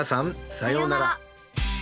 さようなら。